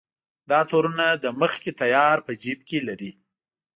دا تورونه له مخکې تیار په جېب کې لري.